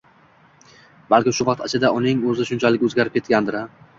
Balki shu vaqt ichida uning o`zi shunchalik o`zgarib ketgandir-a